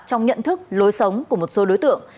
trong nhận thức lối sống của một số đối tượng